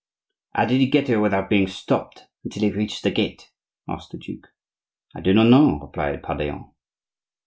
"How did he get here without being stopped until he reached the gate?" asked the duke. "I do not know," replied Pardaillan.